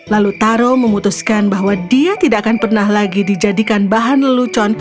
lalu taro memutuskan bahwa dia tidak akan pernah lagi dijadikan bahan lelucon